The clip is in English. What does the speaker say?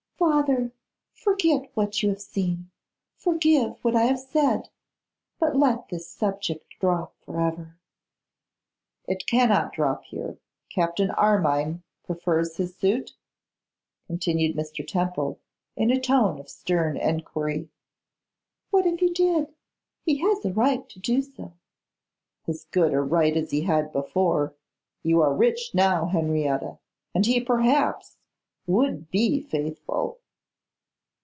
'Father, forget what you have seen; forgive what I have said. But let this subject drop for ever.' 'It cannot drop here. Captain Armine prefers his suit?' continued Mr. Temple, in a tone of stern enquiry. 'What if he did? He has a right to do so.' 'As good a right as he had before. You are rich now, Henrietta, and he perhaps would be faithful.